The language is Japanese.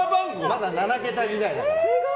まだ７桁時代だから。